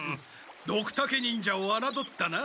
ドクタケ忍者をあなどったな。